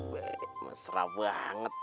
weh mesra banget